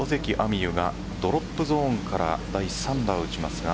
美悠がドロップゾーンから第３打を打ちますが。